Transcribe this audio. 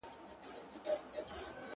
رسوي خبري چي مقام ته د لمبو په زور،